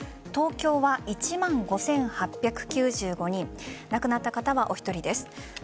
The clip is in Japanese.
東京は１万５８９５人亡くなった方はお１人です。